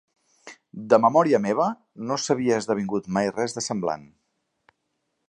De memòria meva, no s'havia esdevingut mai res de semblant.